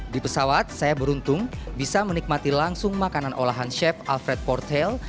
di pesawat saya beruntung bisa menikmati langsung makanan olahan chef alfred portail